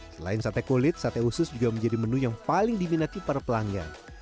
selain sate kulit sate usus juga menjadi menu yang paling diminati para pelanggan